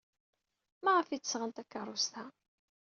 Maɣef ay d-sɣan takeṛṛust-a?